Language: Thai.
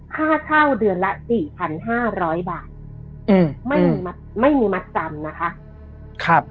ค่าเช่าเดือนละ๔๕๐๐บาทไม่มีมัดจำนะคะ